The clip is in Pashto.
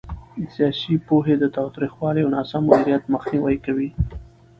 سیاسي پوهاوی د تاوتریخوالي او ناسم مدیریت مخنیوي کوي